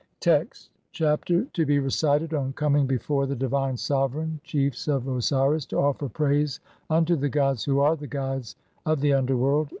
205 Text: (1) A CHAPTER TO BE RECITED ON COMING BEFORE THE DIVINE SOVEREIGN CHIEFS OF OSIRIS TO OFFER PRAISE UNTO THE GODS WHO ARE THE GUIDES OF THE UNDERWORLD.